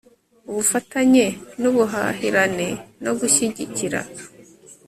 ubufatanye n'ubuhahirane no gushyigikira